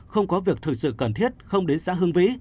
không có việc thực sự cần thiết không đến xã hương vĩ